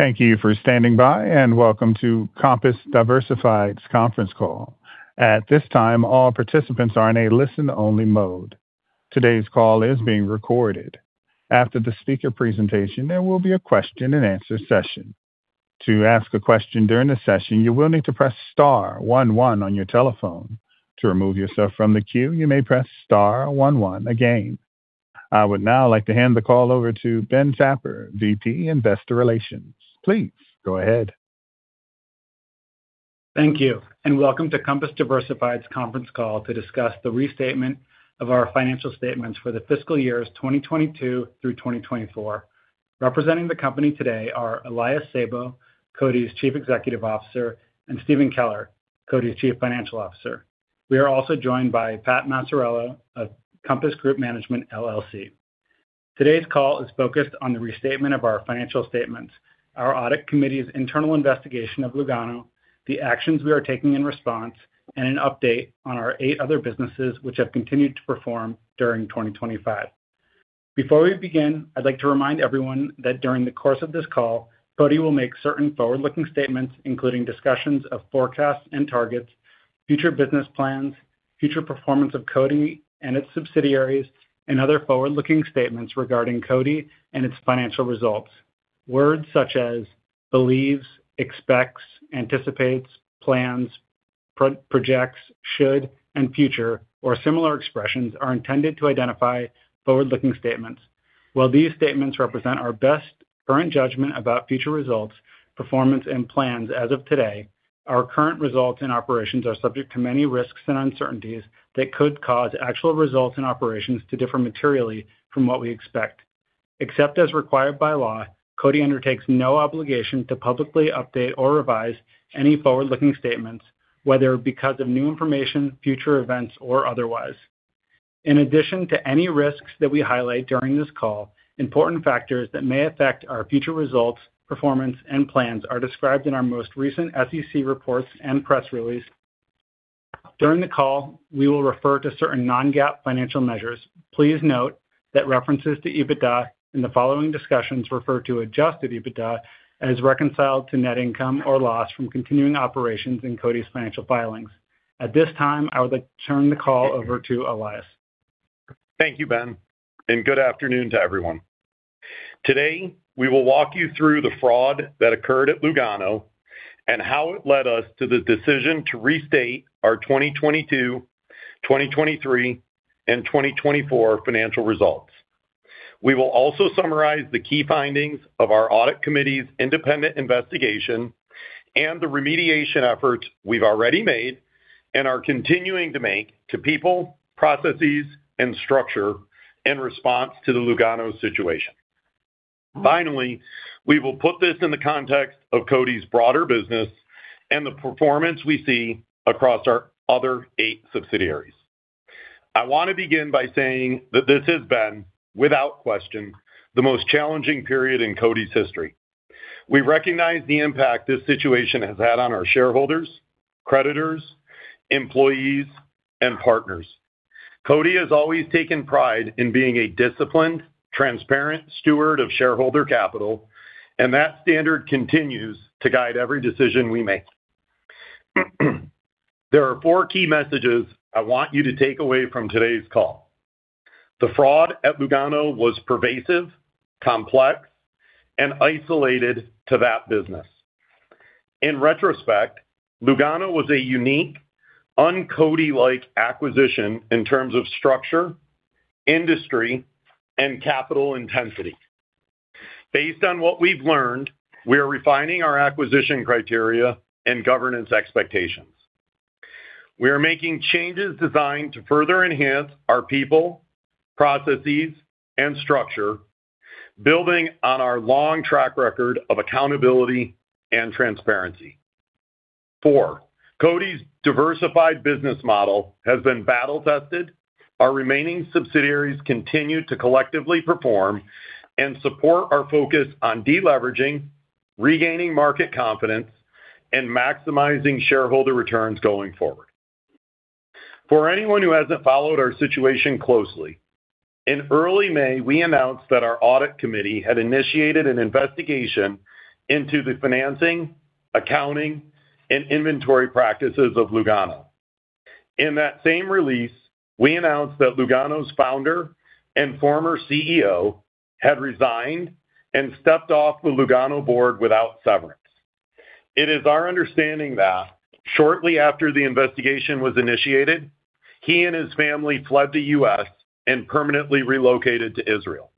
Thank you for standing by, and welcome to Compass Diversified's conference call. At this time, all participants are in a listen-only mode. Today's call is being recorded. After the speaker presentation, there will be a question-and-answer session. To ask a question during the session, you will need to press Star 11 on your telephone. To remove yourself from the queue, you may press Star 11 again. I would now like to hand the call over to Ben Tapper, VP Investor Relations. Please go ahead. Thank you, and welcome to Compass Diversified's conference call to discuss the restatement of our financial statements for the fiscal years 2022 through 2024. Representing the company today are Elias Sabo, CODI's Chief Executive Officer, and Stephen Keller, CODI's Chief Financial Officer. We are also joined by Pat Maciariello of Compass Group Management, LLC. Today's call is focused on the restatement of our financial statements, our Audit Committee's internal investigation of Lugano, the actions we are taking in response, and an update on our eight other businesses which have continued to perform during 2025. Before we begin, I'd like to remind everyone that during the course of this call, CODI will make certain forward-looking statements, including discussions of forecasts and targets, future business plans, future performance of CODI and its subsidiaries, and other forward-looking statements regarding CODI and its financial results. Words such as believes, expects, anticipates, plans, projects, should, and future, or similar expressions are intended to identify forward-looking statements. While these statements represent our best current judgment about future results, performance, and plans as of today, our current results and operations are subject to many risks and uncertainties that could cause actual results and operations to differ materially from what we expect. Except as required by law, CODI undertakes no obligation to publicly update or revise any forward-looking statements, whether because of new information, future events, or otherwise. In addition to any risks that we highlight during this call, important factors that may affect our future results, performance, and plans are described in our most recent SEC reports and press release. During the call, we will refer to certain non-GAAP financial measures. Please note that references to EBITDA in the following discussions refer to Adjusted EBITDA as reconciled to net income or loss from continuing operations in CODI's financial filings. At this time, I would like to turn the call over to Elias. Thank you, Ben, and good afternoon to everyone. Today, we will walk you through the fraud that occurred at Lugano and how it led us to the decision to restate our 2022, 2023, and 2024 financial results. We will also summarize the key findings of our Audit Committee's independent investigation and the remediation efforts we've already made and are continuing to make to people, processes, and structure in response to the Lugano situation. Finally, we will put this in the context of CODI's broader business and the performance we see across our other eight subsidiaries. I want to begin by saying that this has been, without question, the most challenging period in CODI's history. We recognize the impact this situation has had on our shareholders, creditors, employees, and partners. CODI has always taken pride in being a disciplined, transparent steward of shareholder capital, and that standard continues to guide every decision we make. There are four key messages I want you to take away from today's call. The fraud at Lugano was pervasive, complex, and isolated to that business. In retrospect, Lugano was a unique, un-CODI-like acquisition in terms of structure, industry, and capital intensity. Based on what we've learned, we are refining our acquisition criteria and governance expectations. We are making changes designed to further enhance our people, processes, and structure, building on our long track record of accountability and transparency. Four, CODI's diversified business model has been battle-tested. Our remaining subsidiaries continue to collectively perform and support our focus on deleveraging, regaining market confidence, and maximizing shareholder returns going forward. For anyone who hasn't followed our situation closely, in early May, we announced that our Audit Committee had initiated an investigation into the financing, accounting, and inventory practices of Lugano. In that same release, we announced that Lugano's founder and former CEO had resigned and stepped off the Lugano board without severance. It is our understanding that shortly after the investigation was initiated, he and his family fled the U.S. and permanently relocated to Israel.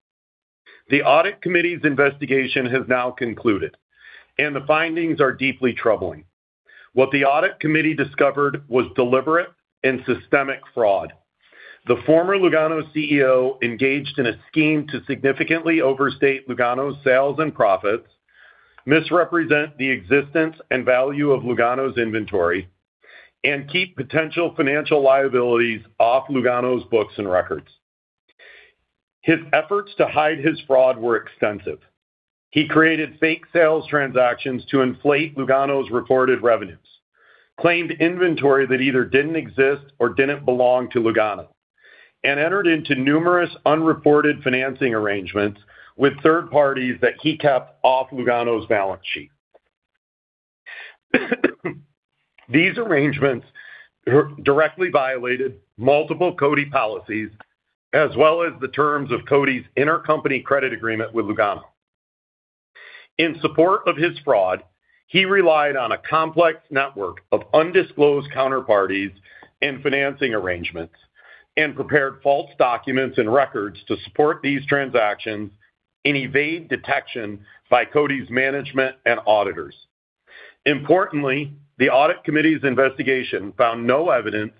The Audit Committee's investigation has now concluded, and the findings are deeply troubling. What the Audit Committee discovered was deliberate and systemic fraud. The former Lugano CEO engaged in a scheme to significantly overstate Lugano's sales and profits, misrepresent the existence and value of Lugano's inventory, and keep potential financial liabilities off Lugano's books and records. His efforts to hide his fraud were extensive. He created fake sales transactions to inflate Lugano's reported revenues, claimed inventory that either didn't exist or didn't belong to Lugano, and entered into numerous unreported financing arrangements with third parties that he kept off Lugano's balance sheet. These arrangements directly violated multiple CODI policies, as well as the terms of CODI's intercompany credit agreement with Lugano. In support of his fraud, he relied on a complex network of undisclosed counterparties and financing arrangements and prepared false documents and records to support these transactions and evade detection by CODI's management and auditors. Importantly, the Audit Committee's investigation found no evidence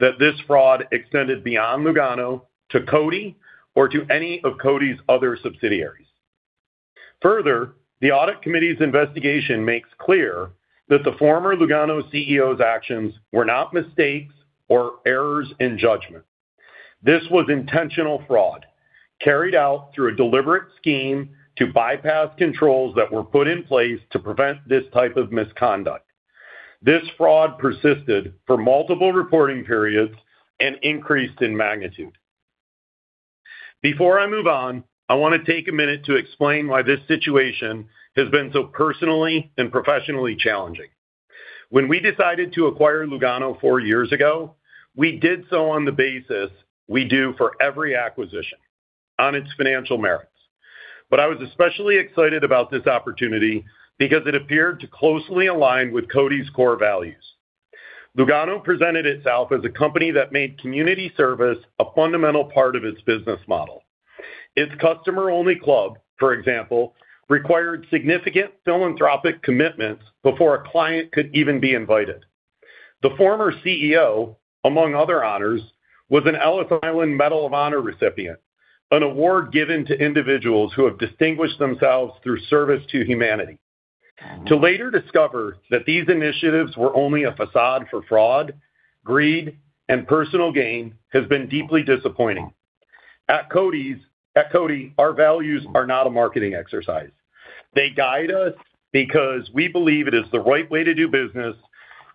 that this fraud extended beyond Lugano to CODI or to any of CODI's other subsidiaries. Further, the Audit Committee's investigation makes clear that the former Lugano CEO's actions were not mistakes or errors in judgment. This was intentional fraud carried out through a deliberate scheme to bypass controls that were put in place to prevent this type of misconduct. This fraud persisted for multiple reporting periods and increased in magnitude. Before I move on, I want to take a minute to explain why this situation has been so personally and professionally challenging. When we decided to acquire Lugano four years ago, we did so on the basis we do for every acquisition on its financial merits. But I was especially excited about this opportunity because it appeared to closely align with CODI's core values. Lugano presented itself as a company that made community service a fundamental part of its business model. Its customer-only club, for example, required significant philanthropic commitments before a client could even be invited. The former CEO, among other honors, was an Ellis Island Medal of Honor recipient, an award given to individuals who have distinguished themselves through service to humanity. To later discover that these initiatives were only a façade for fraud, greed, and personal gain has been deeply disappointing. At CODI, our values are not a marketing exercise. They guide us because we believe it is the right way to do business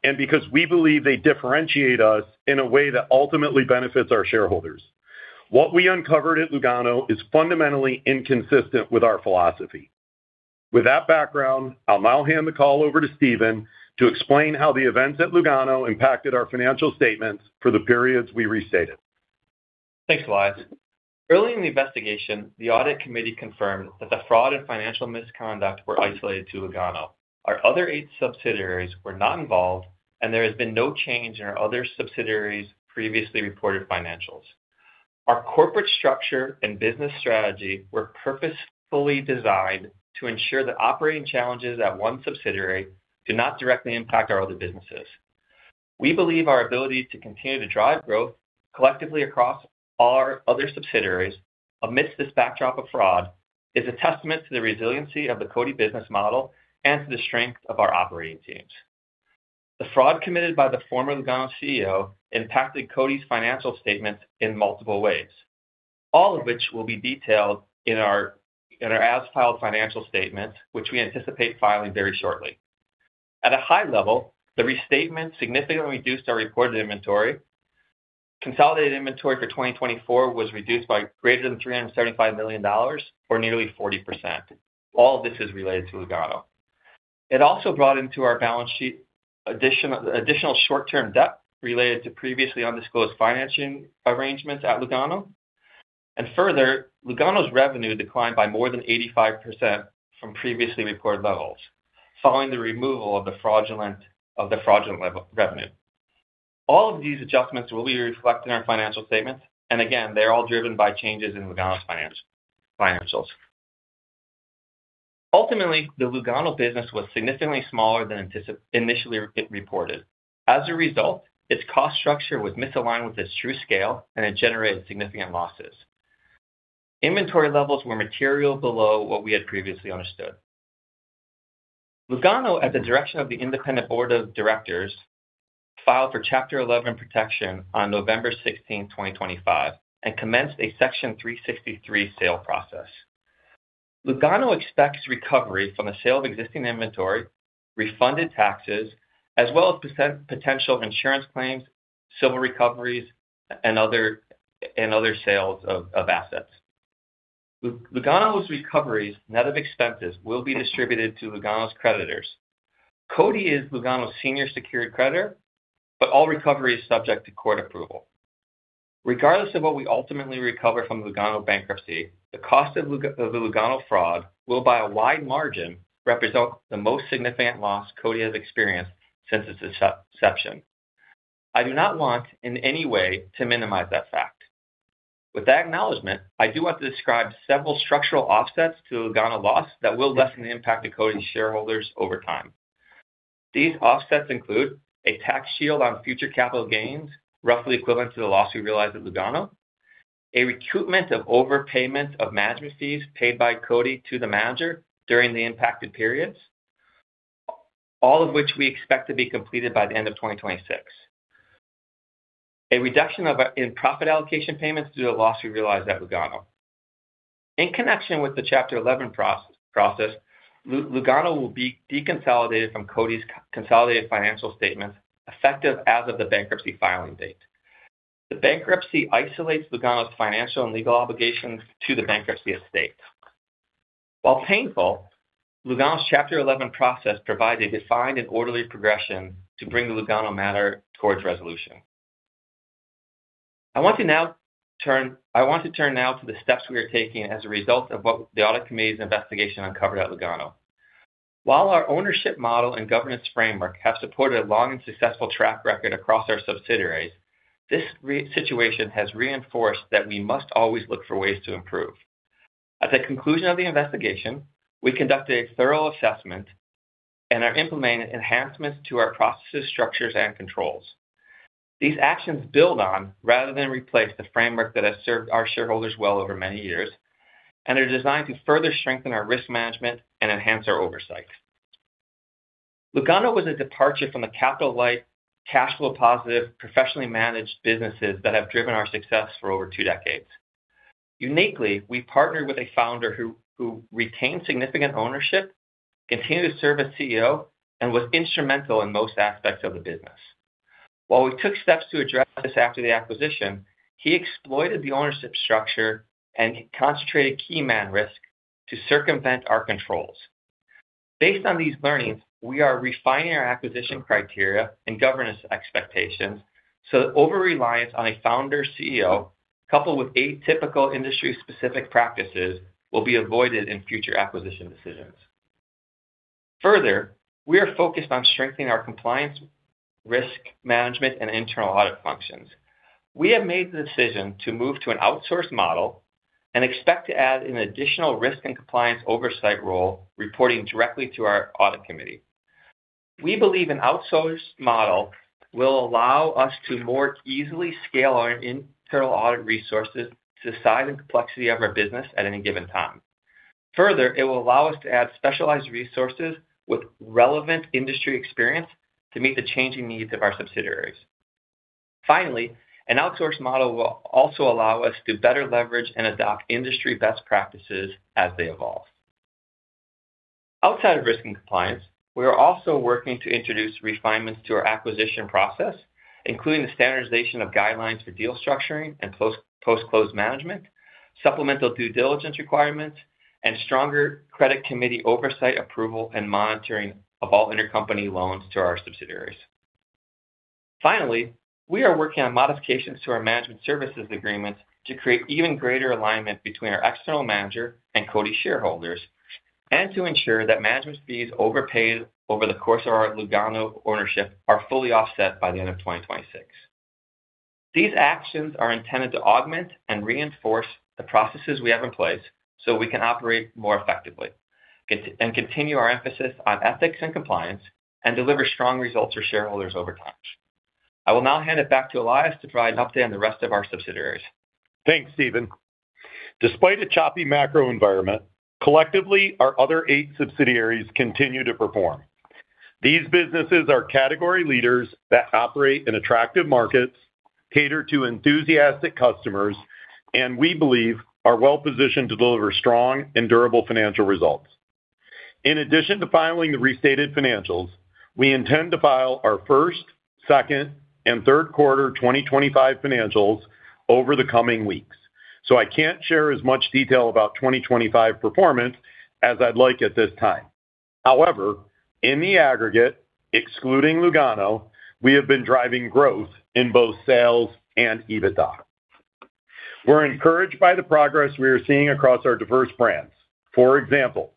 and because we believe they differentiate us in a way that ultimately benefits our shareholders. What we uncovered at Lugano is fundamentally inconsistent with our philosophy. With that background, I'll now hand the call over to Stephen to explain how the events at Lugano impacted our financial statements for the periods we restated. Thanks, Elias. Early in the investigation, the Audit Committee confirmed that the fraud and financial misconduct were isolated to Lugano. Our other eight subsidiaries were not involved, and there has been no change in our other subsidiaries' previously reported financials. Our corporate structure and business strategy were purposefully designed to ensure that operating challenges at one subsidiary do not directly impact our other businesses. We believe our ability to continue to drive growth collectively across all our other subsidiaries amidst this backdrop of fraud is a testament to the resiliency of the CODI business model and to the strength of our operating teams. The fraud committed by the former Lugano CEO impacted CODI's financial statements in multiple ways, all of which will be detailed in our as-filed financial statements, which we anticipate filing very shortly. At a high level, the restatement significantly reduced our reported inventory. Consolidated inventory for 2024 was reduced by greater than $375 million, or nearly 40%. All of this is related to Lugano. It also brought into our balance sheet additional short-term debt related to previously undisclosed financing arrangements at Lugano, and further, Lugano's revenue declined by more than 85% from previously reported levels following the removal of the fraudulent revenue. All of these adjustments will be reflected in our financial statements, and again, they're all driven by changes in Lugano's financials. Ultimately, the Lugano business was significantly smaller than initially reported. As a result, its cost structure was misaligned with its true scale, and it generated significant losses. Inventory levels were materially below what we had previously understood. Lugano, at the direction of the independent board of directors, filed for Chapter 11 protection on November 16, 2025, and commenced a Section 363 sale process. Lugano expects recovery from the sale of existing inventory, refunded taxes, as well as potential insurance claims, civil recoveries, and other sales of assets. Lugano's recoveries, net of expenses, will be distributed to Lugano's creditors. CODI is Lugano's senior secured creditor, but all recovery is subject to court approval. Regardless of what we ultimately recover from Lugano bankruptcy, the cost of the Lugano fraud will, by a wide margin, represent the most significant loss CODI has experienced since its inception. I do not want in any way to minimize that fact. With that acknowledgment, I do want to describe several structural offsets to the Lugano loss that will lessen the impact of CODI's shareholders over time. These offsets include a tax shield on future capital gains, roughly equivalent to the loss we realized at Lugano, a recoupment of overpayment of management fees paid by CODI to the manager during the impacted periods, all of which we expect to be completed by the end of 2026, a reduction in profit allocation payments due to the loss we realized at Lugano. In connection with the Chapter 11 process, Lugano will be deconsolidated from CODI's consolidated financial statements effective as of the bankruptcy filing date. The bankruptcy isolates Lugano's financial and legal obligations to the bankruptcy estate. While painful, Lugano's Chapter 11 process provides a defined and orderly progression to bring the Lugano matter towards resolution. I want to now turn to the steps we are taking as a result of what the Audit Committee's investigation uncovered at Lugano. While our ownership model and governance framework have supported a long and successful track record across our subsidiaries, this situation has reinforced that we must always look for ways to improve. At the conclusion of the investigation, we conducted a thorough assessment and are implementing enhancements to our processes, structures, and controls. These actions build on rather than replace the framework that has served our shareholders well over many years and are designed to further strengthen our risk management and enhance our oversight. Lugano was a departure from the capital-light, cash flow positive, professionally managed businesses that have driven our success for over two decades. Uniquely, we partnered with a founder who retained significant ownership, continued to serve as CEO, and was instrumental in most aspects of the business. While we took steps to address this after the acquisition, he exploited the ownership structure and concentrated key man risk to circumvent our controls. Based on these learnings, we are refining our acquisition criteria and governance expectations so that over-reliance on a founder CEO, coupled with atypical industry-specific practices, will be avoided in future acquisition decisions. Further, we are focused on strengthening our compliance, risk management, and internal audit functions. We have made the decision to move to an outsourced model and expect to add an additional risk and compliance oversight role reporting directly to our Audit Committee. We believe an outsourced model will allow us to more easily scale our internal audit resources to the size and complexity of our business at any given time. Further, it will allow us to add specialized resources with relevant industry experience to meet the changing needs of our subsidiaries. Finally, an outsourced model will also allow us to better leverage and adopt industry best practices as they evolve. Outside of risk and compliance, we are also working to introduce refinements to our acquisition process, including the standardization of guidelines for deal structuring and post-close management, supplemental due diligence requirements, and stronger credit committee oversight approval and monitoring of all intercompany loans to our subsidiaries. Finally, we are working on modifications to our management services agreements to create even greater alignment between our external manager and CODI shareholders and to ensure that management fees overpaid over the course of our Lugano ownership are fully offset by the end of 2026. These actions are intended to augment and reinforce the processes we have in place so we can operate more effectively and continue our emphasis on ethics and compliance and deliver strong results for shareholders over time. I will now hand it back to Elias to provide an update on the rest of our subsidiaries. Thanks, Stephen. Despite a choppy macro environment, collectively, our other eight subsidiaries continue to perform. These businesses are category leaders that operate in attractive markets, cater to enthusiastic customers, and we believe are well-positioned to deliver strong and durable financial results. In addition to filing the restated financials, we intend to file our first, second, and third quarter 2025 financials over the coming weeks. So I can't share as much detail about 2025 performance as I'd like at this time. However, in the aggregate, excluding Lugano, we have been driving growth in both sales and EBITDA. We're encouraged by the progress we are seeing across our diverse brands. For example,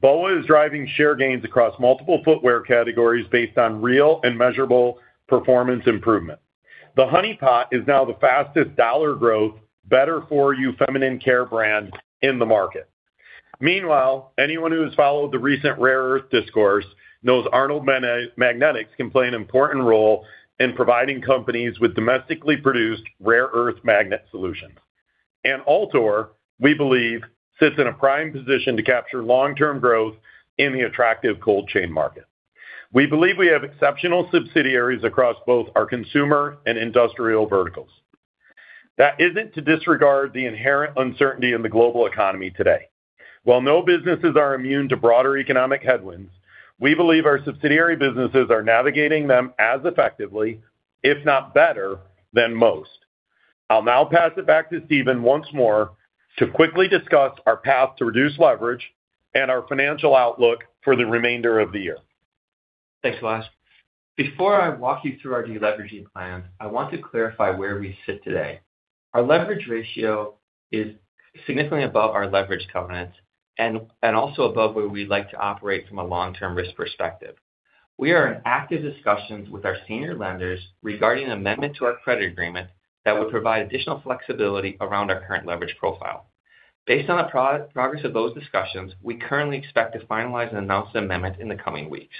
BOA is driving share gains across multiple footwear categories based on real and measurable performance improvement. The Honey Pot is now the fastest dollar growth, better-for-you feminine care brand in the market. Meanwhile, anyone who has followed the recent rare earth discourse knows Arnold Magnetic can play an important role in providing companies with domestically produced rare earth magnet solutions, and Altor, we believe, sits in a prime position to capture long-term growth in the attractive cold chain market. We believe we have exceptional subsidiaries across both our consumer and industrial verticals. That isn't to disregard the inherent uncertainty in the global economy today. While no businesses are immune to broader economic headwinds, we believe our subsidiary businesses are navigating them as effectively, if not better, than most. I'll now pass it back to Stephen once more to quickly discuss our path to reduce leverage and our financial outlook for the remainder of the year. Thanks, Elias. Before I walk you through our deleveraging plans, I want to clarify where we sit today. Our leverage ratio is significantly above our leverage covenants and also above where we'd like to operate from a long-term risk perspective. We are in active discussions with our senior lenders regarding an amendment to our credit agreement that would provide additional flexibility around our current leverage profile. Based on the progress of those discussions, we currently expect to finalize and announce the amendment in the coming weeks.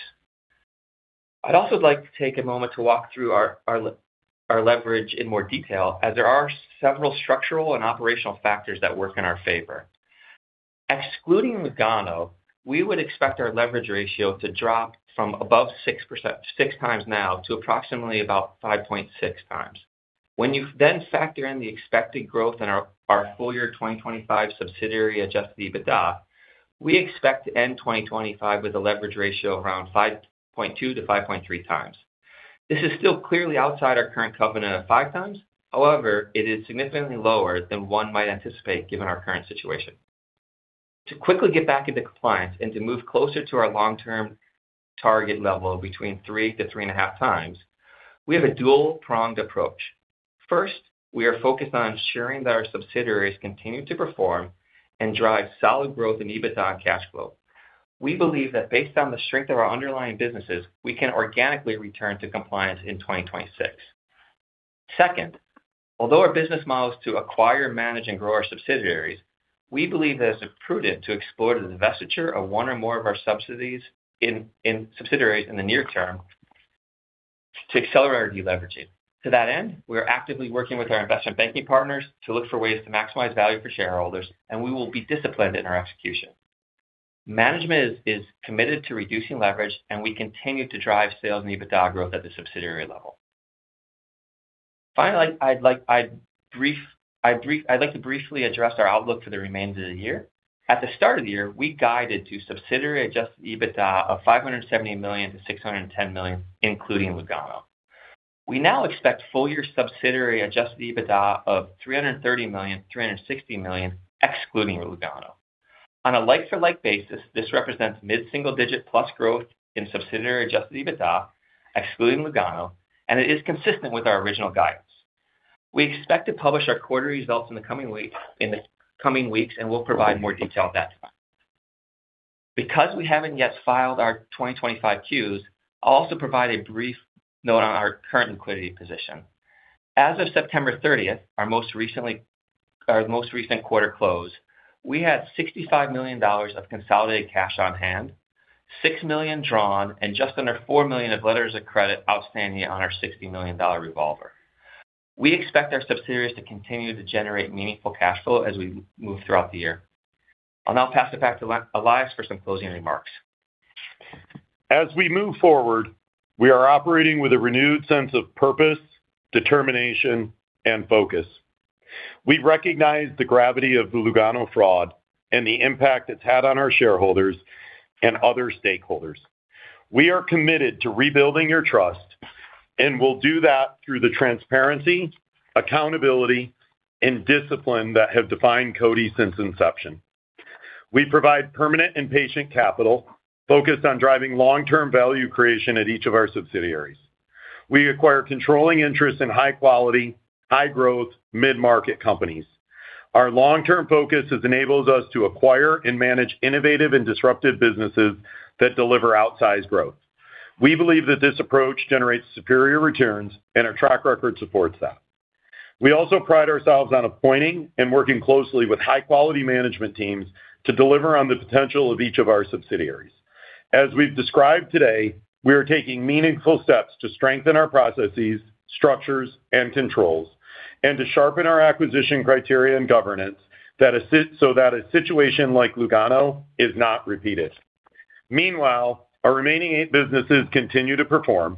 I'd also like to take a moment to walk through our leverage in more detail, as there are several structural and operational factors that work in our favor. Excluding Lugano, we would expect our leverage ratio to drop from above six times now to approximately about 5.6 times. When you then factor in the expected growth in our full year 2025 subsidiary Adjusted EBITDA, we expect to end 2025 with a leverage ratio around 5.2-5.3 times. This is still clearly outside our current covenant of 5 times. However, it is significantly lower than one might anticipate given our current situation. To quickly get back into compliance and to move closer to our long-term target level of between 3-3.5 times, we have a dual-pronged approach. First, we are focused on ensuring that our subsidiaries continue to perform and drive solid growth in EBITDA and cash flow. We believe that based on the strength of our underlying businesses, we can organically return to compliance in 2026. Second, although our business model is to acquire, manage, and grow our subsidiaries, we believe that it's prudent to explore the divestiture of one or more of our subsidiaries in the near term to accelerate our deleveraging. To that end, we are actively working with our investment banking partners to look for ways to maximize value for shareholders, and we will be disciplined in our execution. Management is committed to reducing leverage, and we continue to drive sales and EBITDA growth at the subsidiary level. Finally, I'd like to briefly address our outlook for the remainder of the year. At the start of the year, we guided to subsidiary Adjusted EBITDA of $570 million-$610 million, including Lugano. We now expect full year subsidiary Adjusted EBITDA of $330 million-$360 million, excluding Lugano. On a like-for-like basis, this represents mid-single digit plus growth in subsidiary Adjusted EBITDA, excluding Lugano, and it is consistent with our original guidance. We expect to publish our quarterly results in the coming weeks, and we'll provide more detail at that time. Because we haven't yet filed our 2025 Qs, I'll also provide a brief note on our current liquidity position. As of September 30, our most recent quarter close, we had $65 million of consolidated cash on hand, $6 million drawn, and just under $4 million of letters of credit outstanding on our $60 million revolver. We expect our subsidiaries to continue to generate meaningful cash flow as we move throughout the year. I'll now pass it back to Elias for some closing remarks. As we move forward, we are operating with a renewed sense of purpose, determination, and focus. We recognize the gravity of the Lugano fraud and the impact it's had on our shareholders and other stakeholders. We are committed to rebuilding your trust and will do that through the transparency, accountability, and discipline that have defined CODI since inception. We provide permanent and patient capital focused on driving long-term value creation at each of our subsidiaries. We acquire controlling interests in high-quality, high-growth, mid-market companies. Our long-term focus enables us to acquire and manage innovative and disruptive businesses that deliver outsized growth. We believe that this approach generates superior returns, and our track record supports that. We also pride ourselves on appointing and working closely with high-quality management teams to deliver on the potential of each of our subsidiaries. As we've described today, we are taking meaningful steps to strengthen our processes, structures, and controls, and to sharpen our acquisition criteria and governance so that a situation like Lugano is not repeated. Meanwhile, our remaining eight businesses continue to perform,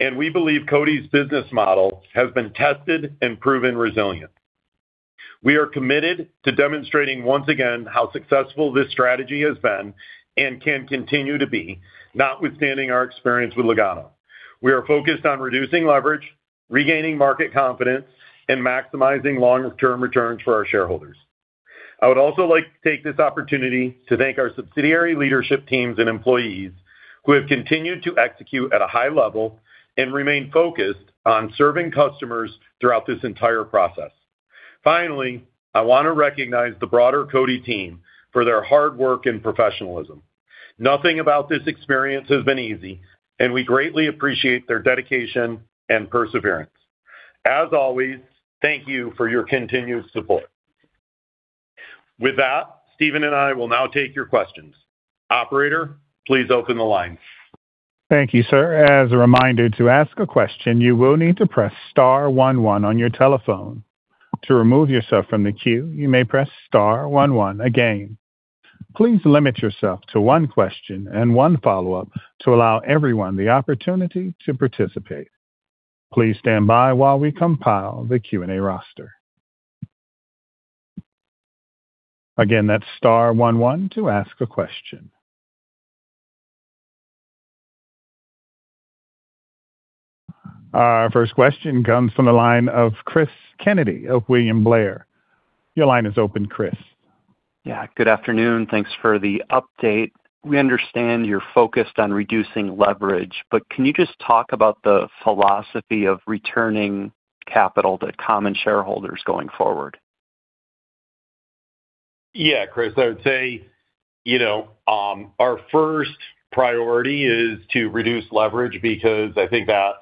and we believe CODI's business model has been tested and proven resilient. We are committed to demonstrating once again how successful this strategy has been and can continue to be, notwithstanding our experience with Lugano. We are focused on reducing leverage, regaining market confidence, and maximizing long-term returns for our shareholders. I would also like to take this opportunity to thank our subsidiary leadership teams and employees who have continued to execute at a high level and remain focused on serving customers throughout this entire process. Finally, I want to recognize the broader CODI team for their hard work and professionalism. Nothing about this experience has been easy, and we greatly appreciate their dedication and perseverance. As always, thank you for your continued support. With that, Stephen and I will now take your questions. Operator, please open the line. Thank you, sir. As a reminder to ask a question, you will need to press star 11 on your telephone. To remove yourself from the queue, you may press star 11 again. Please limit yourself to one question and one follow-up to allow everyone the opportunity to participate. Please stand by while we compile the Q&A roster. Again, that's star 11 to ask a question. Our first question comes from the line of Chris Kennedy of William Blair. Your line is open, Chris. Yeah, good afternoon. Thanks for the update. We understand you're focused on reducing leverage, but can you just talk about the philosophy of returning capital to common shareholders going forward? Yeah, Chris, I would say, you know, our first priority is to reduce leverage because I think that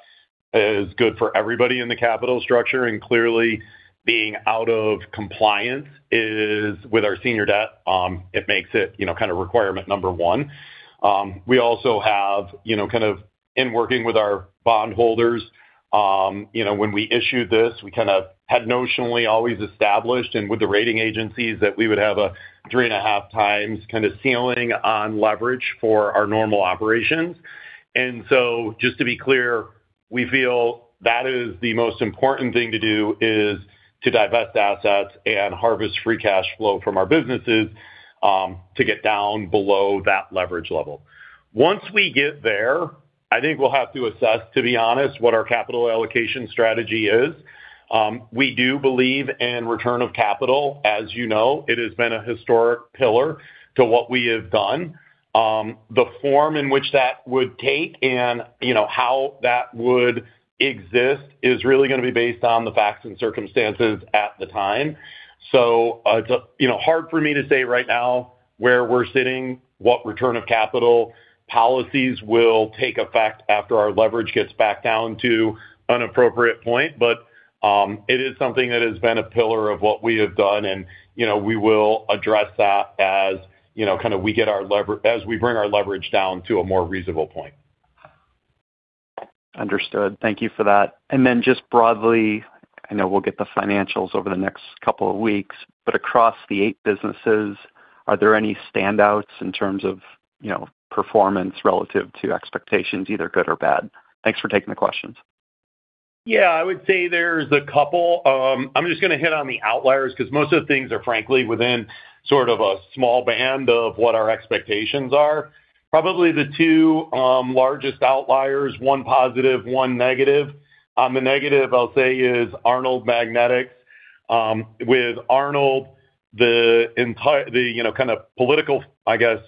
is good for everybody in the capital structure. And clearly, being out of compliance with our senior debt, it makes it, you know, kind of requirement number one. We also have, you know, kind of in working with our bondholders, you know, when we issued this, we kind of had notionally always established and with the rating agencies that we would have a 3.5 times kind of ceiling on leverage for our normal operations. And so just to be clear, we feel that is the most important thing to do is to divest assets and harvest free cash flow from our businesses to get down below that leverage level. Once we get there, I think we'll have to assess, to be honest, what our capital allocation strategy is. We do believe in return of capital. As you know, it has been a historic pillar to what we have done. The form in which that would take and, you know, how that would exist is really going to be based on the facts and circumstances at the time. So it's, you know, hard for me to say right now where we're sitting, what return of capital policies will take effect after our leverage gets back down to an appropriate point. But it is something that has been a pillar of what we have done. And, you know, we will address that as, you know, kind of we get our leverage as we bring our leverage down to a more reasonable point. Understood. Thank you for that. And then just broadly, I know we'll get the financials over the next couple of weeks, but across the eight businesses, are there any standouts in terms of, you know, performance relative to expectations, either good or bad? Thanks for taking the questions. Yeah, I would say there's a couple. I'm just going to hit on the outliers because most of the things are, frankly, within sort of a small band of what our expectations are. Probably the two largest outliers, one positive, one negative. The negative I'll say is Arnold Magnetic. With Arnold, the entire, you know, kind of political, I guess,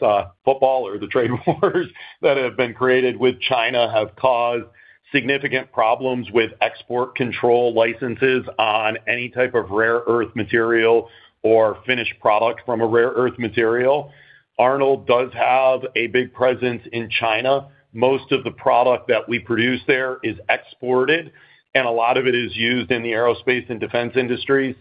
football or the trade wars that have been created with China have caused significant problems with export control licenses on any type of rare earth material or finished product from a rare earth material. Arnold does have a big presence in China. Most of the product that we produce there is exported, and a lot of it is used in the aerospace and defense industries.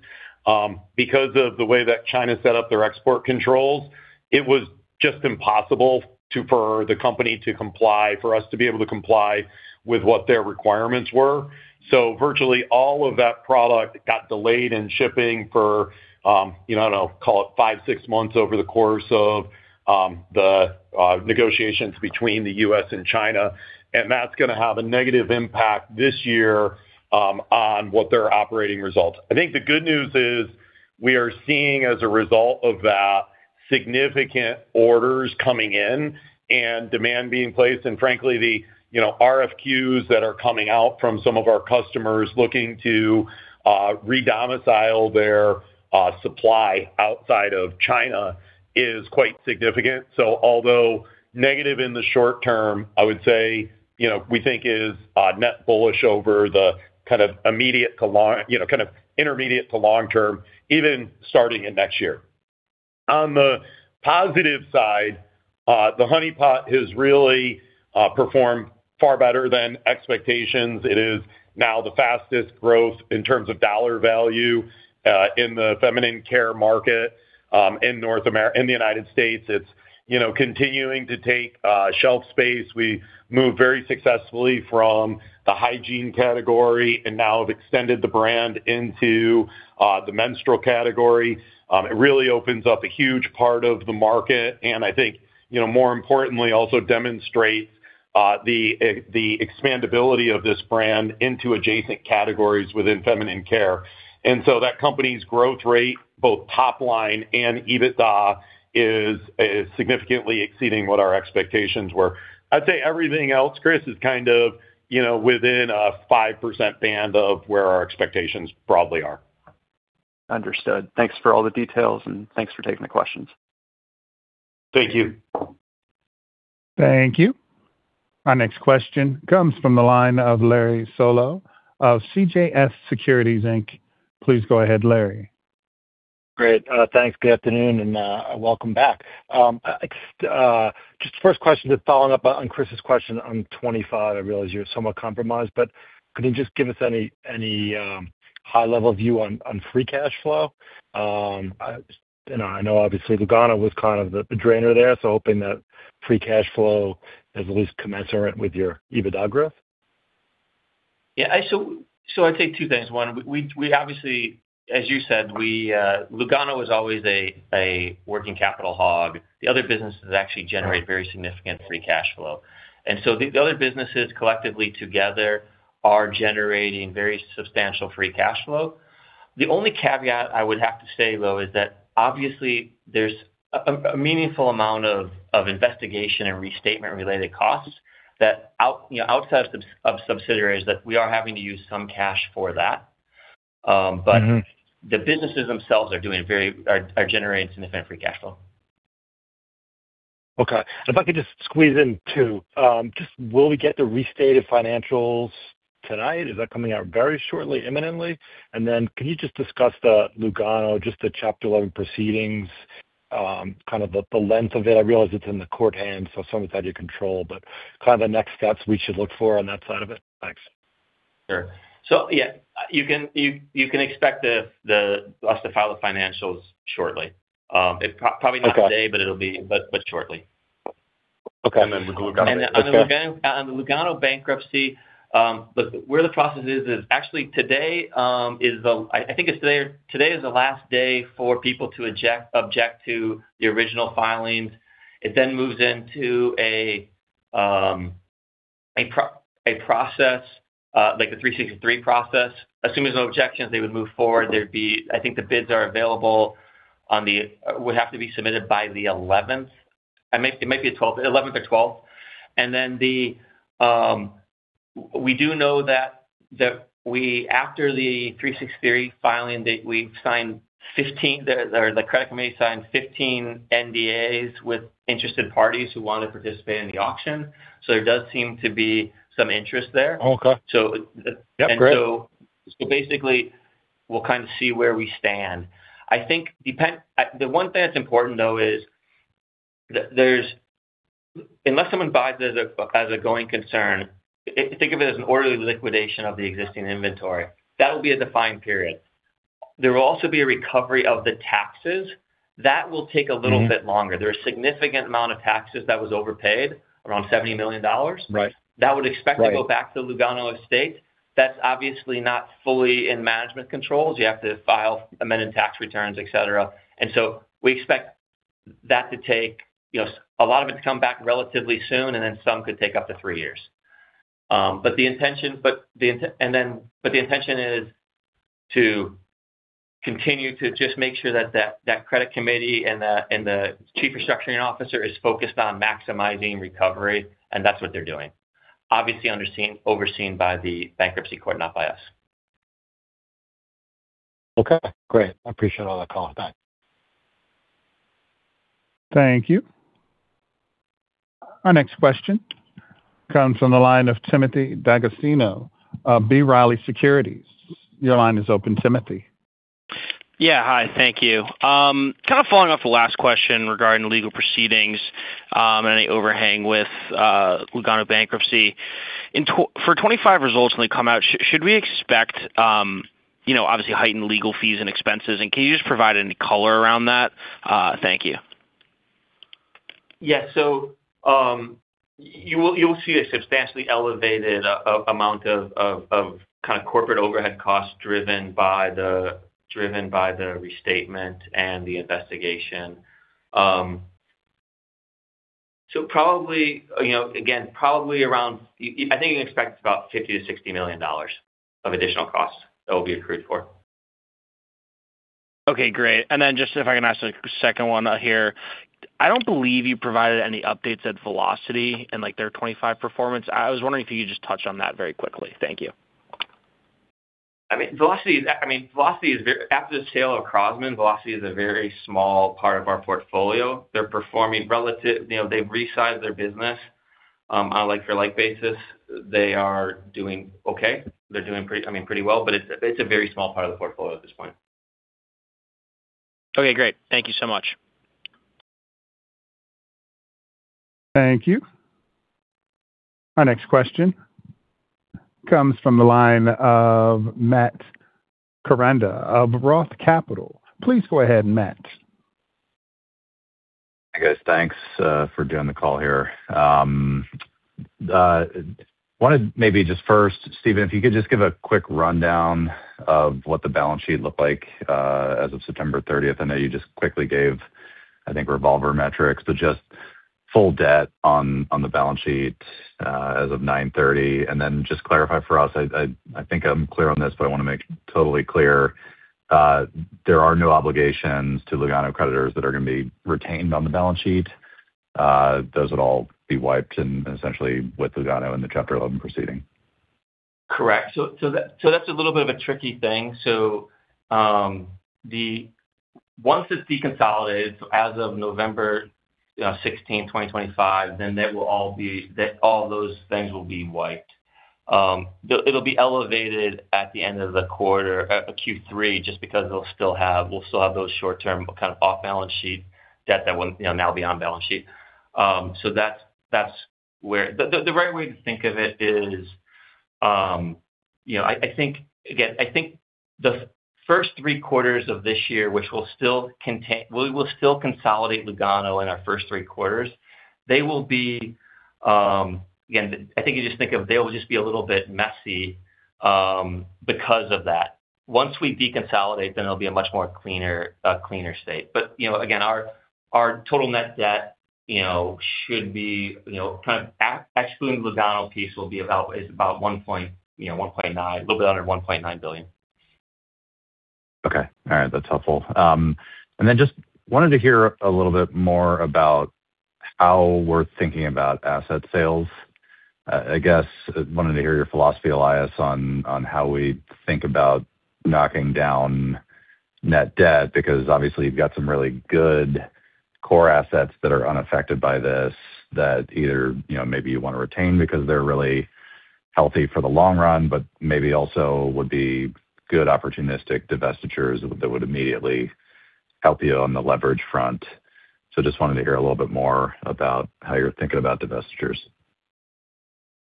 Because of the way that China set up their export controls, it was just impossible for the company to comply, for us to be able to comply with what their requirements were. So virtually all of that product got delayed in shipping for, you know, I don't know, call it five, six months over the course of the negotiations between the U.S. and China. And that's going to have a negative impact this year on what their operating results. I think the good news is we are seeing, as a result of that, significant orders coming in and demand being placed. And frankly, the, you know, RFQs that are coming out from some of our customers looking to re-domicile their supply outside of China is quite significant. So although negative in the short term, I would say, you know, we think is net bullish over the kind of immediate to, you know, kind of intermediate to long term, even starting in next year. On the positive side, The Honey Pot has really performed far better than expectations. It is now the fastest growth in terms of dollar value in the feminine care market in North America, in the United States. It's, you know, continuing to take shelf space. We moved very successfully from the hygiene category and now have extended the brand into the menstrual category. It really opens up a huge part of the market. And I think, you know, more importantly, also demonstrates the expandability of this brand into adjacent categories within feminine care. And so that company's growth rate, both top line and EBITDA, is significantly exceeding what our expectations were. I'd say everything else, Chris, is kind of, you know, within a 5% band of where our expectations broadly are. Understood. Thanks for all the details, and thanks for taking the questions. Thank you. Thank you. Our next question comes from the line of Larry Solow of CJS Securities, Inc. Please go ahead, Larry. Great. Thanks. Good afternoon and welcome back. Just the first question just following up on Chris's question on 25, I realize you're somewhat compromised, but could you just give us any high-level view on free cash flow? And I know, obviously, Lugano was kind of the drainer there, so hoping that free cash flow is at least commensurate with your EBITDA growth. Yeah. So I'd say two things. One, we obviously, as you said, Lugano is always a working capital hog. The other businesses actually generate very significant free cash flow. And so the other businesses collectively together are generating very substantial free cash flow. The only caveat I would have to say, though, is that obviously there's a meaningful amount of investigation and restatement-related costs that, you know, outside of subsidiaries, that we are having to use some cash for that. But the businesses themselves are generating significant free cash flow. Okay. If I could just squeeze in too, just will we get the restated financials tonight? Is that coming out very shortly, imminently? And then can you just discuss the Lugano, just the Chapter 11 proceedings, kind of the length of it? I realize it's in the court hands, so some of it's out of your control, but kind of the next steps we should look for on that side of it? Thanks. Sure. So yeah, you can expect us to file the financials shortly. It's probably not today, but it'll be shortly. Okay. And then the Lugano bankruptcy. The Lugano bankruptcy, look, where the process is, is actually today is the, I think it's today, today is the last day for people to object to the original filings. It then moves into a process, like the 363 process. As soon as no objections, they would move forward. There'd be, I think the bids are available on the, would have to be submitted by the 11th. It might be the 12th, 11th or 12th. And then we do know that we, after the 363 filing date, we've signed 15, or the credit committee signed 15 NDAs with interested parties who want to participate in the auction. So there does seem to be some interest there. Okay. So basically, we'll kind of see where we stand. I think the one thing that's important, though, is there's, unless someone buys it as a going concern, think of it as an orderly liquidation of the existing inventory. That'll be a defined period. There will also be a recovery of the taxes. That will take a little bit longer. There are a significant amount of taxes that was overpaid, around $70 million. Right. That would expect to go back to Lugano estate. That's obviously not fully in management controls. You have to file amended tax returns, et cetera. And so we expect that to take, you know, a lot of it to come back relatively soon, and then some could take up to three years. But the intention is to continue to just make sure that that credit committee and the chief restructuring officer is focused on maximizing recovery, and that's what they're doing. Obviously overseen by the bankruptcy court, not by us. Okay. Great. I appreciate all that call. Thanks. Thank you. Our next question comes from the line of Timothy D'Agostino, B. Riley Securities. Your line is open, Timothy. Yeah. Hi. Thank you. Kind of following up the last question regarding legal proceedings and any overhang with Lugano bankruptcy. For 2025 results when they come out, should we expect, you know, obviously heightened legal fees and expenses? And can you just provide any color around that? Thank you. Yeah. So you will see a substantially elevated amount of kind of corporate overhead costs driven by the restatement and the investigation. So probably, you know, again, probably around, I think you can expect about $50-$60 million of additional costs that will be accrued for. Okay. Great. And then just if I can ask a second one here, I don't believe you provided any updates at Velocity and like their 25 performance. I was wondering if you could just touch on that very quickly. Thank you. I mean, Velocity is, I mean, Velocity is very, after the sale of Crosman, Velocity is a very small part of our portfolio. They're performing relatively, you know, they've resized their business on a like-for-like basis. They are doing okay. They're doing pretty, I mean, pretty well, but it's a very small part of the portfolio at this point. Okay. Great. Thank you so much. Thank you. Our next question comes from the line of Matt Koranda of Roth Capital. Please go ahead, Matt. Hey, guys. Thanks for doing the call here. I wanted maybe just first, Stephen, if you could just give a quick rundown of what the balance sheet looked like as of September 30th. I know you just quickly gave, I think, revolver metrics, but just full debt on the balance sheet as of 9/30. And then just clarify for us, I think I'm clear on this, but I want to make totally clear. There are no obligations to Lugano creditors that are going to be retained on the balance sheet. Does it all be wiped and essentially with Lugano in the Chapter 11 proceeding? Correct. So that's a little bit of a tricky thing. So once it's deconsolidated, so as of November 16th, 2025, then that will all be, that all those things will be wiped. It'll be elevated at the end of the quarter, Q3, just because we'll still have, we'll still have those short-term kind of off-balance sheet debt that will now be on balance sheet. So that's where the right way to think of it is, you know, I think, again, I think the first three quarters of this year, which will still contain, we will still consolidate Lugano in our first three quarters. They will be, again, I think you just think of they will just be a little bit messy because of that. Once we deconsolidate, then it'll be a much more cleaner state. But, you know, again, our total net debt, you know, should be, you know, kind of excluding the Lugano piece will be about, is about $1.9 billion, a little bit under $1.9 billion. Okay. All right. That's helpful. And then just wanted to hear a little bit more about how we're thinking about asset sales. I guess wanted to hear your philosophy, Elias, on how we think about knocking down net debt because obviously you've got some really good core assets that are unaffected by this that either, you know, maybe you want to retain because they're really healthy for the long run, but maybe also would be good opportunistic divestitures that would immediately help you on the leverage front. So just wanted to hear a little bit more about how you're thinking about divestitures.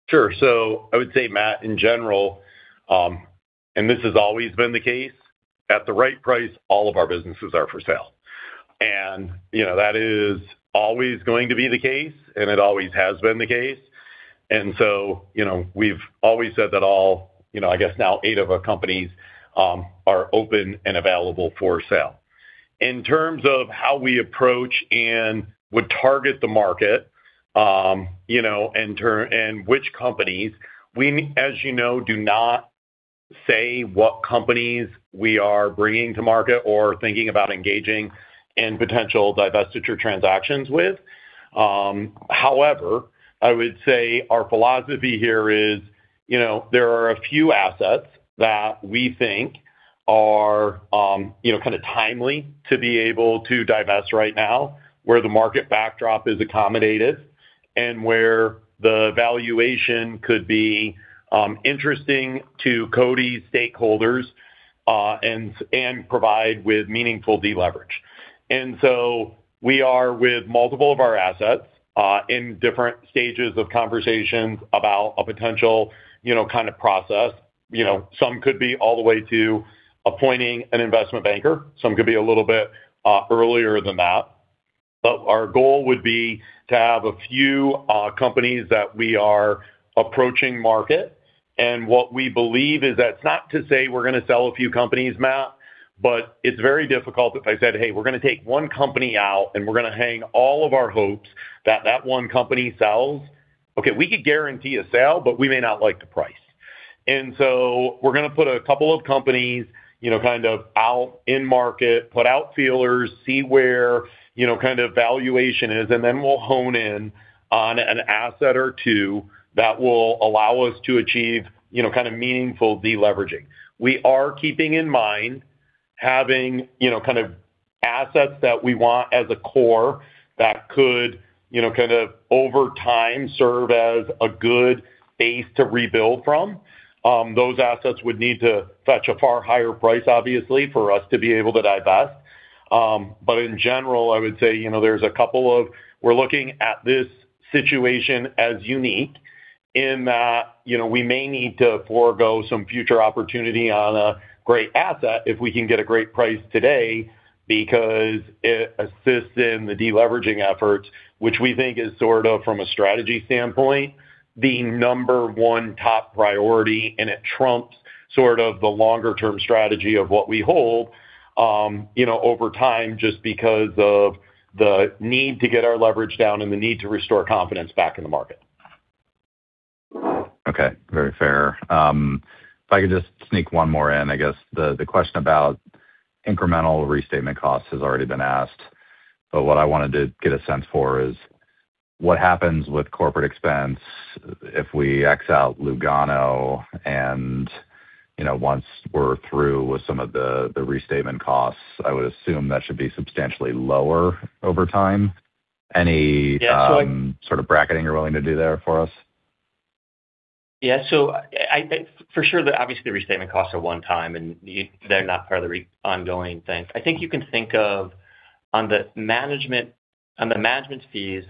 Sure. So I would say, Matt, in general, and this has always been the case, at the right price, all of our businesses are for sale. And, you know, that is always going to be the case, and it always has been the case. And so, you know, we've always said that all, you know, I guess now eight of our companies are open and available for sale. In terms of how we approach and would target the market, you know, and which companies, we, as you know, do not say what companies we are bringing to market or thinking about engaging in potential divestiture transactions with. However, I would say our philosophy here is, you know, there are a few assets that we think are, you know, kind of timely to be able to divest right now where the market backdrop is accommodated and where the valuation could be interesting to CODI's stakeholders and provide with meaningful deleverage. And so we are with multiple of our assets in different stages of conversations about a potential, you know, kind of process. You know, some could be all the way to appointing an investment banker. Some could be a little bit earlier than that. But our goal would be to have a few companies that we are approaching market. And what we believe is that's not to say we're going to sell a few companies, Matt, but it's very difficult if I said, "Hey, we're going to take one company out and we're going to hang all of our hopes that that one company sells." Okay. We could guarantee a sale, but we may not like the price. And so we're going to put a couple of companies, you know, kind of out in market, put out feelers, see where, you know, kind of valuation is, and then we'll hone in on an asset or two that will allow us to achieve, you know, kind of meaningful deleveraging. We are keeping in mind having, you know, kind of assets that we want as a core that could, you know, kind of over time serve as a good base to rebuild from. Those assets would need to fetch a far higher price, obviously, for us to be able to divest. But in general, I would say, you know, there's a couple of, we're looking at this situation as unique in that, you know, we may need to forego some future opportunity on a great asset if we can get a great price today because it assists in the deleveraging efforts, which we think is sort of from a strategy standpoint, the number one top priority, and it trumps sort of the longer-term strategy of what we hold, you know, over time just because of the need to get our leverage down and the need to restore confidence back in the market. Okay. Very fair. If I could just sneak one more in, I guess the question about incremental restatement costs has already been asked, but what I wanted to get a sense for is what happens with corporate expense if we X out Lugano and, you know, once we're through with some of the restatement costs, I would assume that should be substantially lower over time. Any sort of bracketing you're willing to do there for us? Yeah. So for sure that obviously the restatement costs are one time and they're not part of the ongoing thing. I think you can think of on the management, on the management fees.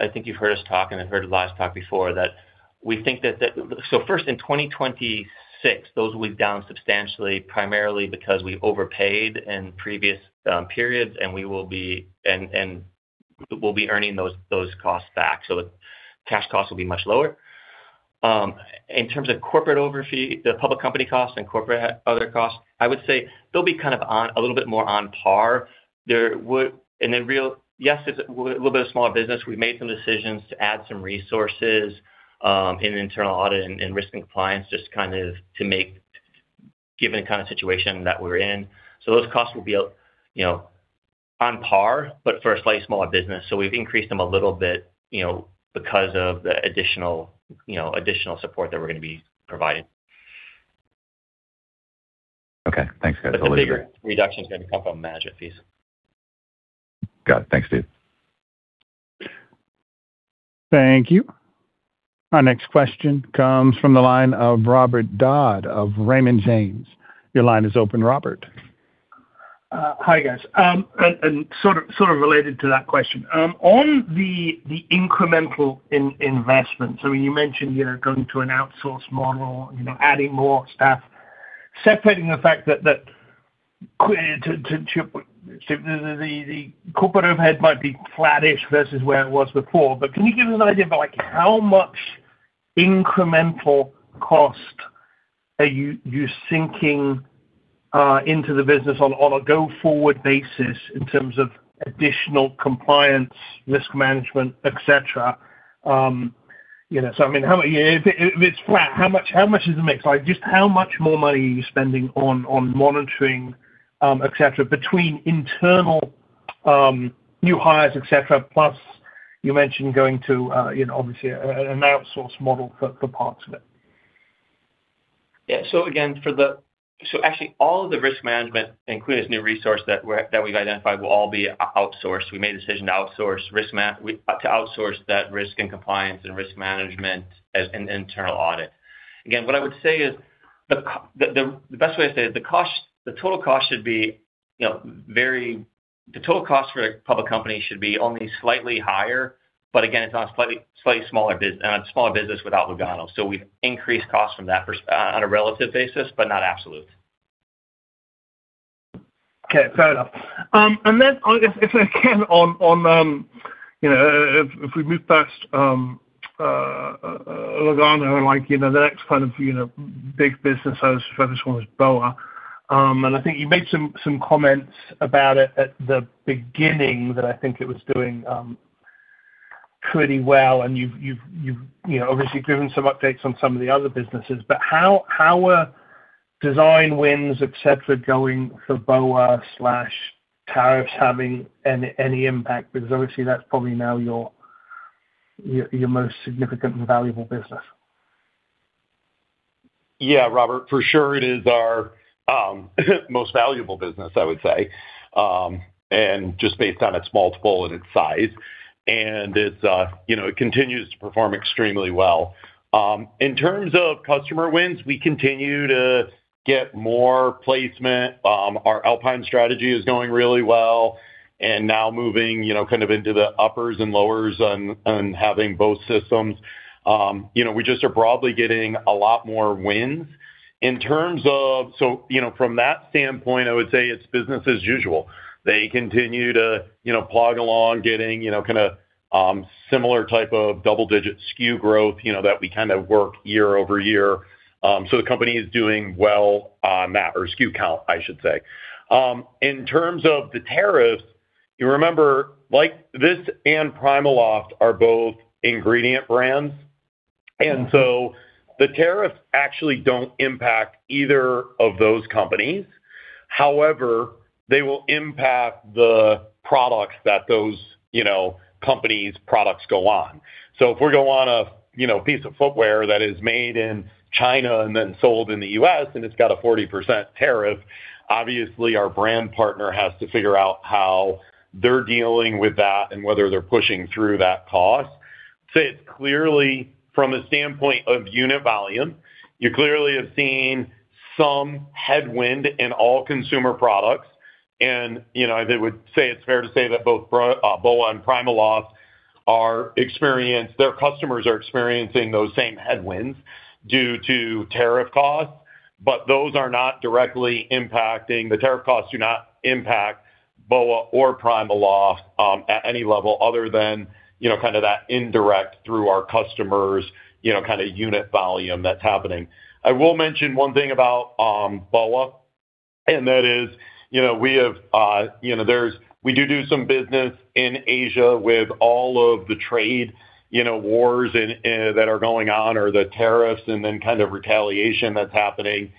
I think you've heard us talk and I've heard it last talk before that we think that, so first in 2026, those will be down substantially primarily because we overpaid in previous periods and we will be, and we'll be earning those costs back. So cash costs will be much lower. In terms of corporate overhead, the public company costs and corporate other costs, I would say they'll be kind of on a little bit more on par. There would, and then really, yes, it's a little bit of a smaller business. We've made some decisions to add some resources in internal audit and risk and compliance, just kind of to make, given the kind of situation that we're in. So those costs will be, you know, on par, but for a slightly smaller business. So we've increased them a little bit, you know, because of the additional, you know, support that we're going to be providing. Okay. Thanks, guys. I believe. The bigger reduction is going to come from management fees. Got it. Thanks, Steve. Thank you. Our next question comes from the line of Robert Dodd of Raymond James. Your line is open, Robert. Hi, guys. And sort of related to that question, on the incremental investments, I mean, you mentioned, you know, going to an outsourced model, you know, adding more staff, separating the fact that the corporate overhead might be flattish versus where it was before. But can you give us an idea of like how much incremental cost are you sinking into the business on a go-forward basis in terms of additional compliance, risk management, et cetera? You know, so I mean, if it's flat, how much is the mix? Like just how much more money are you spending on monitoring, et cetera, between internal new hires, et cetera, plus you mentioned going to, you know, obviously an outsource model for parts of it? Yeah. So again, so actually all of the risk management, including this new resource that we've identified, will all be outsourced. We made a decision to outsource risk, to outsource that risk and compliance and risk management and internal audit. Again, what I would say is the best way to say it, the cost, the total cost should be, you know, very, the total cost for a public company should be only slightly higher, but again, it's on a slightly smaller business, a smaller business without Lugano. So we've increased costs from that perspective on a relative basis, but not absolute. Okay. Fair enough. And then if I can on, you know, if we move past Lugano, like, you know, the next kind of, you know, big business, I was focused on was BOA. And I think you made some comments about it at the beginning that I think it was doing pretty well. And you've, you know, obviously given some updates on some of the other businesses, but how are design wins, et cetera, going for BOA/tariffs having any impact? Because obviously that's probably now your most significant and valuable business. Yeah, Robert, for sure it is our most valuable business, I would say, and just based on its multiple and its size, and it's, you know, it continues to perform extremely well. In terms of customer wins, we continue to get more placement. Our Alpine strategy is going really well and now moving, you know, kind of into the uppers and lowers and having both systems. You know, we just are broadly getting a lot more wins. In terms of, so, you know, from that standpoint, I would say it's business as usual. They continue to, you know, plug along, getting, you know, kind of similar type of double-digit SKU growth, you know, that we kind of work year over year. So the company is doing well on that, or SKU count, I should say. In terms of the tariffs, you remember like this and PrimaLoft are both ingredient brands. And so the tariffs actually don't impact either of those companies. However, they will impact the products that those, you know, companies' products go on. So if we're going on a, you know, piece of footwear that is made in China and then sold in the U.S. and it's got a 40% tariff, obviously our brand partner has to figure out how they're dealing with that and whether they're pushing through that cost. So it's clearly from a standpoint of unit volume, you clearly have seen some headwind in all consumer products. And, you know, I would say it's fair to say that both BOA and PrimaLoft are experiencing, their customers are experiencing those same headwinds due to tariff costs, but those are not directly impacting. The tariff costs do not impact BOA or PrimaLoft at any level other than, you know, kind of that indirect through our customers, you know, kind of unit volume that's happening. I will mention one thing about BOA, and that is, you know, we do some business in Asia with all of the trade, you know, wars that are going on or the tariffs and then kind of retaliation that's happening.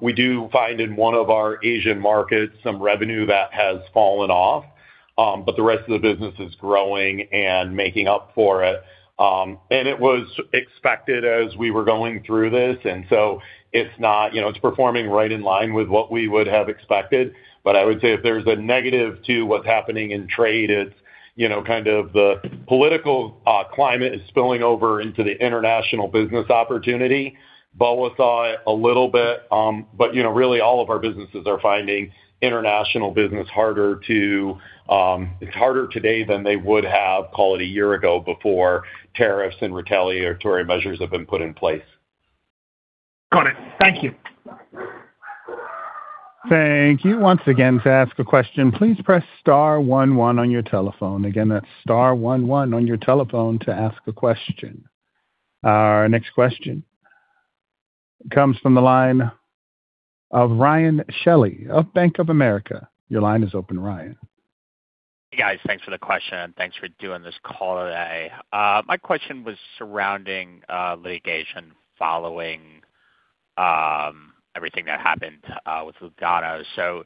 We do find in one of our Asian markets some revenue that has fallen off, but the rest of the business is growing and making up for it, and it was expected as we were going through this, and so it's not, you know, it's performing right in line with what we would have expected. But I would say if there's a negative to what's happening in trade, it's, you know, kind of the political climate is spilling over into the international business opportunity. BOA saw it a little bit, but, you know, really all of our businesses are finding international business harder to. It's harder today than they would have, call it a year ago before tariffs and retaliatory measures have been put in place. Got it. Thank you. Thank you. Once again, to ask a question, please press star 11 on your telephone. Again, that's star 11 on your telephone to ask a question. Our next question comes from the line of Ryan Shelley of Bank of America. Your line is open, Ryan. Hey guys, thanks for the question. Thanks for doing this call today. My question was surrounding litigation following everything that happened with Lugano. So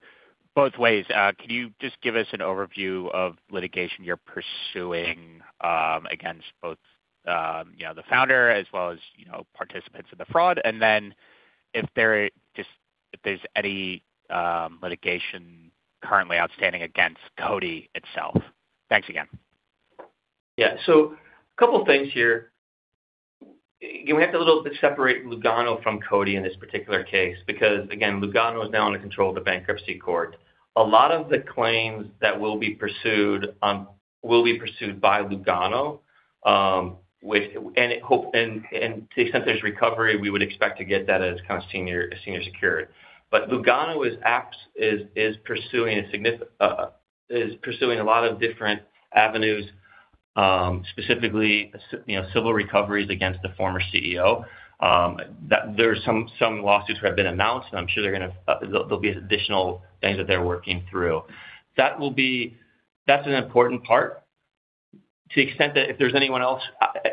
both ways, can you just give us an overview of litigation you're pursuing against both, you know, the founder as well as, you know, participants in the fraud? And then if there's any litigation currently outstanding against CODI itself? Thanks again. Yeah. So a couple of things here. Again, we have to a little bit separate Lugano from CODI in this particular case because again, Lugano is now under control of the bankruptcy court. A lot of the claims that will be pursued will be pursued by Lugano, which, and to the extent there's recovery, we would expect to get that as kind of senior secured. But Lugano is pursuing a lot of different avenues, specifically, you know, civil recoveries against the former CEO. There's some lawsuits that have been announced and I'm sure they're going to, there'll be additional things that they're working through. That will be, that's an important part to the extent that if there's anyone else,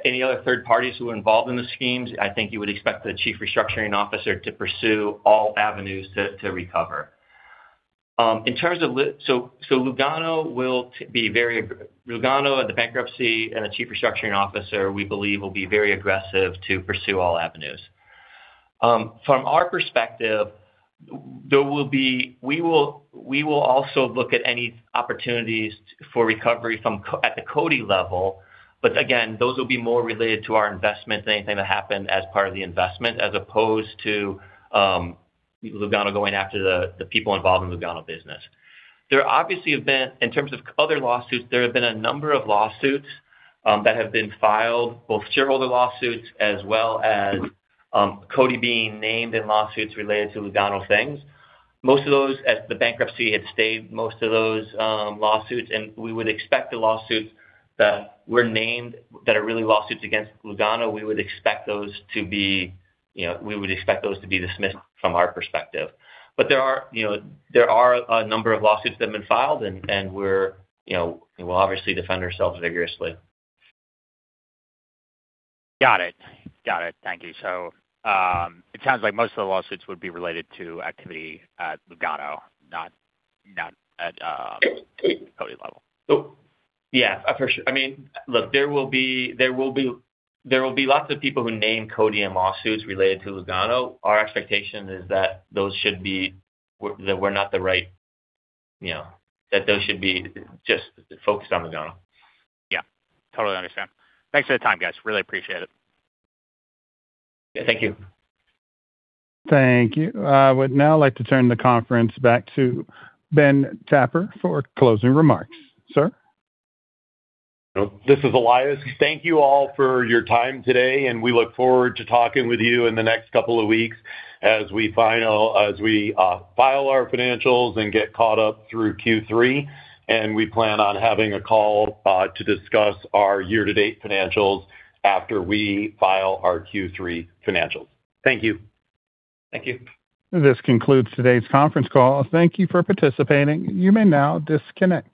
any other third parties who are involved in the schemes, I think you would expect the chief restructuring officer to pursue all avenues to recover. In terms of so Lugano and the bankruptcy and the chief restructuring officer, we believe will be very aggressive to pursue all avenues. From our perspective, we will also look at any opportunities for recovery from the CODI level, but again, those will be more related to our investment than anything that happened as part of the investment as opposed to Lugano going after the people involved in Lugano business. There obviously have been, in terms of other lawsuits, a number of lawsuits that have been filed, both shareholder lawsuits as well as CODI being named in lawsuits related to Lugano things. Most of those, as the bankruptcy had stayed, most of those lawsuits, and we would expect the lawsuits that were named that are really lawsuits against Lugano. We would expect those to be, you know, we would expect those to be dismissed from our perspective. But there are, you know, there are a number of lawsuits that have been filed and we're, you know, we'll obviously defend ourselves vigorously. Got it. Got it. Thank you. So it sounds like most of the lawsuits would be related to activity at Lugano, not at CODI level. Yeah, for sure. I mean, look, there will be lots of people who name CODI in lawsuits related to Lugano. Our expectation is that those should be, that we're not the right, you know, that those should be just focused on Lugano. Yeah. Totally understand. Thanks for the time, guys. Really appreciate it. Thank you. Thank you. I would now like to turn the conference back to Ben Tapper for closing remarks. Sir? This is Elias. Thank you all for your time today and we look forward to talking with you in the next couple of weeks as we file our financials and get caught up through Q3. And we plan on having a call to discuss our year-to-date financials after we file our Q3 financials. Thank you. Thank you. This concludes today's conference call. Thank you for participating. You may now disconnect.